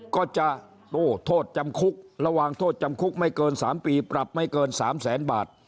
ก็จะโทษจำคุกระหว่างโทษจำคุกไม่เกิน๓ปีปรับไม่เกิน๓แสนบาท